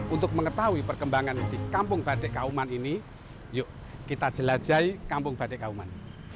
untuk mengetahui perkembangan di kampung badek kauman ini yuk kita jelajahi kampung badek kauman